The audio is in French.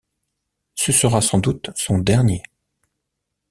Ça sera sans doute son dernier.